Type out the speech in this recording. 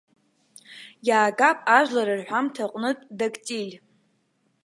Иаагап ажәлар рҳәамҭа аҟнытә дактиль.